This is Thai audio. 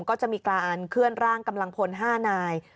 ก็จะมีการเคลื่อนร่างกำลังพล๕นาย